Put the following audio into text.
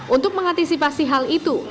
untuk mengantisipasi hal itu